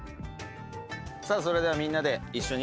さあそれではみんなで一緒に。